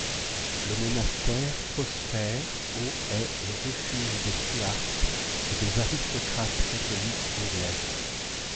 Le monastère, prospère au est le refuge des Stuarts et des aristocrates catholiques anglais.